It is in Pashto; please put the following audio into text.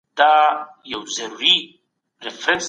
په لویه جرګه کي د عامې روغتیا په برخه کي څه خبري کېږي؟